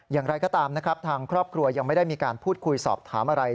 อย่างไรก็ตามนะครับทางครอบครัวยังไม่ได้มีการพูดคุยสอบถามอะไร